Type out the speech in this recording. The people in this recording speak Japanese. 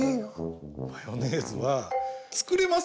マヨネーズはつくれます！